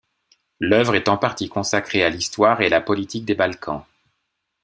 L'œuvre est en partie consacrée à l'histoire et à la politique des Balkans.